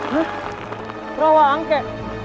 huh rawa angke